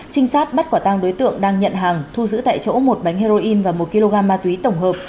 trinh sát bắt quả tăng đối tượng đang nhận hàng thu giữ tại chỗ một bánh heroin và một kg ma túy tổng hợp